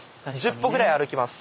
１０歩ぐらい歩きます。